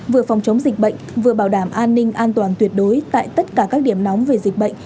vừa phòng chống dịch bệnh vừa bảo đảm an ninh an toàn tuyệt đối tại tất cả các điểm nóng về dịch bệnh